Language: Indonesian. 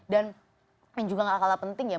dan yang juga nggak kalah penting ya